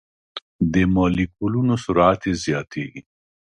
د مالیکولونو سرعت یې زیاتیږي.